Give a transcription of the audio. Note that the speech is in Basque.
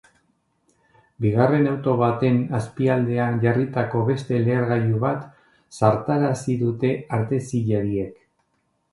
Bigarren auto baten azpialdean jarritako beste lehergailu bat zartarazi dute artezilariek.